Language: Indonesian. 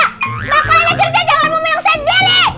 maka yang kerja jangan meminum set jeli